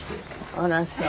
あらそう。